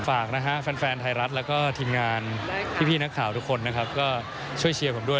ฝากนะฮะแฟนไทยรัฐแล้วก็ทีมงานพี่นักข่าวทุกคนนะครับก็ช่วยเชียร์ผมด้วย